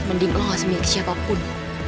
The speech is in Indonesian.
mending lo ga semiliki siapapun